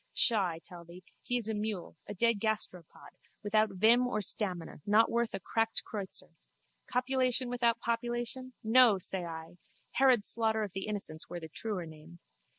Pshaw, I tell thee! He is a mule, a dead gasteropod, without vim or stamina, not worth a cracked kreutzer. Copulation without population! No, say I! Herod's slaughter of the innocents were the truer name.